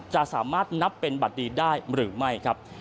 จะสามารถนับเป็นบัตรดีได้หรือไม่ครับ